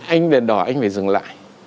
anh đèn đỏ anh phải dừng lại